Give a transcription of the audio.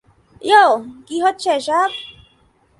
ইয়ো, কী হচ্ছে এসব?